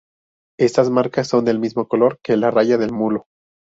Estas marcas son del mismo color que la raya de mulo.